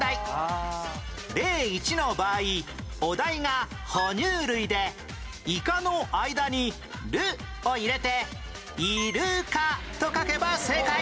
例１の場合お題がほ乳類でイカの間に「る」を入れてイルカと書けば正解